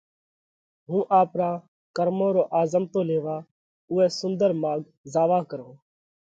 “هُون آپرون ڪرمون رو آزمتو ليوا اُوئہ سُنۮر ماڳ زاوا ڪرونه،